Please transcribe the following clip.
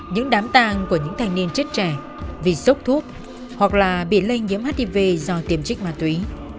những đám tàng của những thanh niên chết trẻ vì sốc thuốc hoặc là bị lây nhiễm hiv do tiềm trích ma túy